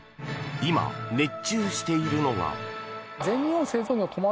今、熱中しているのが。